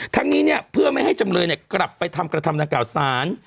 ท่างนี้นี่เพื่อไม่ให้จำนวนเ้นกลับไปทำกระทำนางกาวสาร